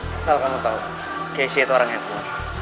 pasal kamu tau keisha itu orang yang kuat